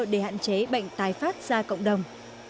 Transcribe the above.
để hạn chế bệnh tái phát ra cộng đồng